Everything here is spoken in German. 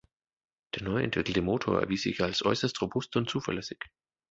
Der neuentwickelte Motor erwies sich als äußerst robust und zuverlässig.